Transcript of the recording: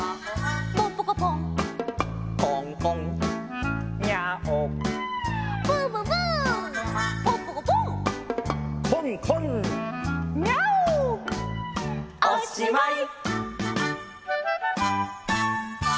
「ポンポコポン」「コンコン」「ニャーオ」「ブブブー」「ポンポコポン」「コンコン」「ニャーオ」おしまい！